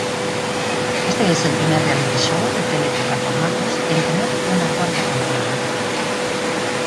Este es el primer reality show de Teletica Formatos en tener una cuarta temporada.